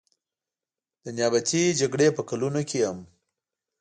د نیابتي جګړې په کلونو کې هم.